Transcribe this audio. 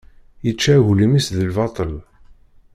Ičča aglim-is di lbaṭel.